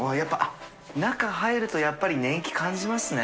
入るとやっぱり年季感じますね。